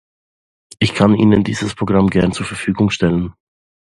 Ich kann Ihnen dieses Programm gern zur Verfügung stellen.